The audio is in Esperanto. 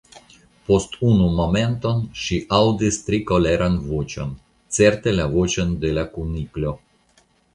Post unu momenton ŝi aŭdis tre koleran voĉon, certe la voĉon de l Kuniklo.